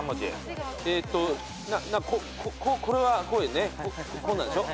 えーとこれは。こんなんでしょ？